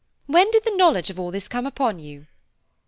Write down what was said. When did the knowledge of all this come upon you?"